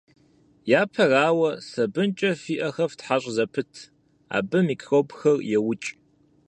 Япэрауэ, сабынкӀэ фи Ӏэхэр фтхьэщӀ зэпыт, абы микробхэр еукӀ.